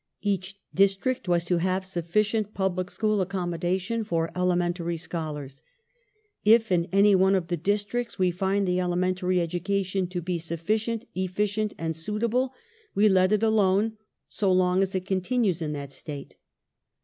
Each district was to have sufficient public school accommodation for elementary scholai s. " If in any one of the districts we find the elementary education to be sufficient, efficient, and suitable ... we let it alone so long as it continues in that state."